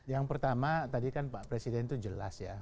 yang pertama tadi kan pak presiden itu jelas ya